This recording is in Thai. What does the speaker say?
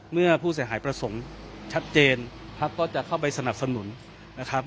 เมื่อผู้เสียหายประสงค์ชัดเจนพักก็จะเข้าไปสนับสนุนนะครับ